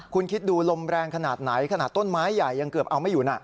คุณคิดดูลมแรงขนาดไหนขนาดต้นไม้ใหญ่ยังเกือบเอาไม่อยู่นะ